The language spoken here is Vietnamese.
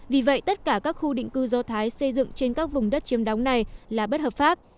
vì vậy tất cả các khu định cư do thái xây dựng trên các vùng đất chiếm đóng này là bất hợp pháp